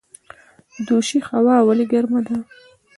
دوشي هوا ولې ګرمه ده؟